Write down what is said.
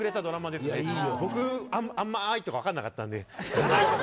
僕あんま愛とか分かんなかったんで。